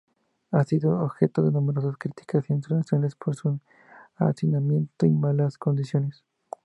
Ha sido objeto de numerosas críticas internacionales por su hacinamiento y malas condiciones.